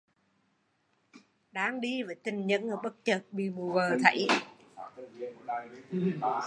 Đang đi với tình nhân, bắt chợt bị mụ vợ thấy